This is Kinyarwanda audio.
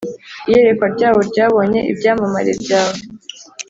iyerekwa ryabo ryabonye ibyamamare byawe